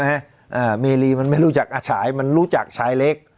อ่าเมรีมันไม่รู้จักอาฉายมันรู้จักชายเล็ก